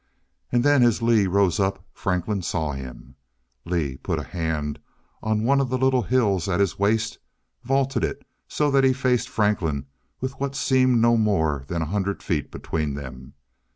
And then as Lee rose up, Franklin saw him. Lee put a hand on one of the little hills at his waist, vaulted it so that he faced Franklin with what seemed no more than a hundred feet between them.